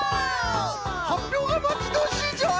はっぴょうがまちどおしいぞい！